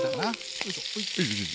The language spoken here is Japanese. よいしょ。